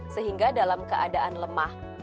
sehingga dalam keadaan lemah